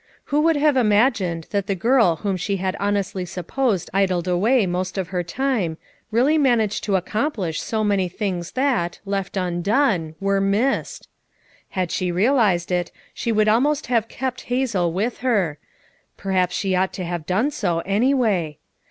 Who would have imagined that the girl whom she had honestly supposed idled away most of her time, really managed to accomplish so many things that, left undone, were missed I Had she realized it, she would almost have kept Hazel with her; perhaps she ought to have done so, anyway.